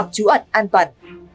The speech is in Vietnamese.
bốn chú ẩn an toàn